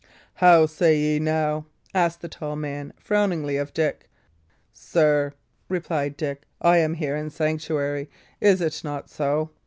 "How say ye now?" asked the tall man, frowningly, of Dick. "Sir," replied Dick, "I am here in sanctuary, is it not so?